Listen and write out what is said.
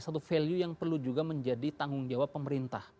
satu value yang perlu juga menjadi tanggung jawab pemerintah